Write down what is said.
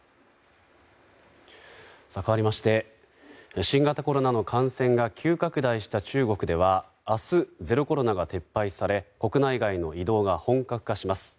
かわりまして新型コロナの感染が急拡大した中国では明日、ゼロコロナが撤廃され国内外の移動が本格化します。